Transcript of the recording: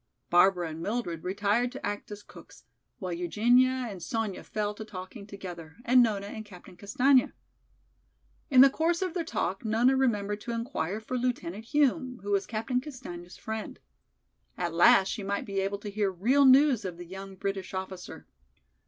Barbara and Mildred retired to act as cooks, while Eugenia and Sonya fell to talking together, and Nona and Captain Castaigne. In the course of their talk Nona remembered to inquire for Lieutenant Hume, who was Captain Castaigne's friend. At last she might be able to hear real news of the young British officer.